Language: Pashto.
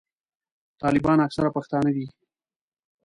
طالبان اکثره پښتانه دي.